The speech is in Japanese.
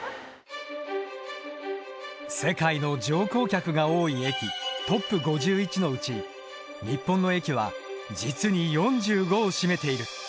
世界の乗降客が多い駅トップ５１のうち日本の駅は実に４５を占めている。